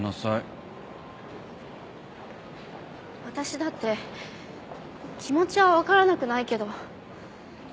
私だって気持ちはわからなくないけど。